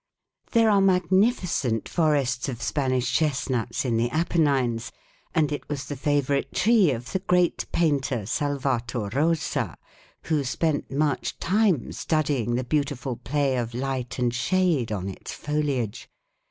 "There are magnificent forests of Spanish chestnuts in the Apennines, and it was the favorite tree of the great painter Salvator Rosa, who spent much time studying the beautiful play of light and shade on its foliage.